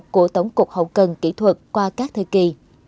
của tổng cục hậu cần kỹ thuật qua các thời kỳ